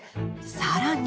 更に。